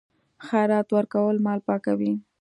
خیرات ورکول مال پاکوي.